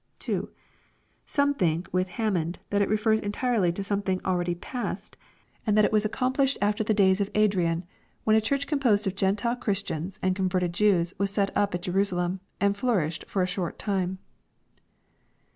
2. Some think, with Hammond, that it refers entirely to some thing already past, and that it was accomplished after the days of • A.drmn« when a church composed t ' Gentiles, Christians, and con 374 EXPOSITORY THOUGHTS verted Jews was set up at Jerusalem, and flourished for a short time.